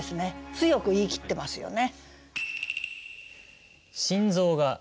強く言い切ってますよね。